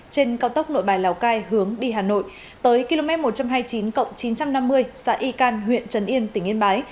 trên cao tốc nội bài lào cai hướng đi hà nội tới km một trăm hai mươi chín chín trăm năm mươi xã y can huyện trần yên tỉnh yên bái